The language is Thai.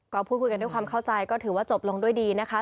ก็พูดคุยกันด้วยความเข้าใจก็ถือว่าจบลงด้วยดีนะคะ